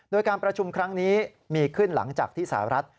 โดยการประชุมครั้งนี้มีขึ้นหลังจากที่สหรัฐ